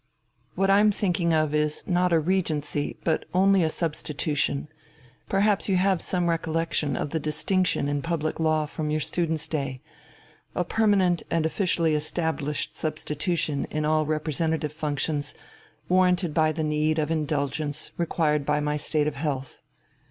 What I'm thinking of is not a regency, but only a substitution perhaps you have some recollection of the distinction in public law from your student's days a permanent and officially established substitution in all representative functions, warranted by the need of indulgence required by my state of health.